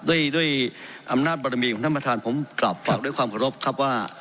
ด้วยด้วยอำนาจบารมีของท่านประธานผมกลับฝากด้วยความขอรบครับว่า